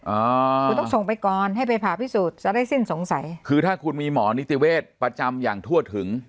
อ่าคุณต้องส่งไปก่อนให้ไปผ่าพิสูจน์จะได้สิ้นสงสัยคือถ้าคุณมีหมอนิติเวศประจำอย่างทั่วถึง